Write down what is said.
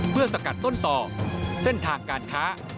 เพื่อสกัดต้นต่อเส้นทางการค้า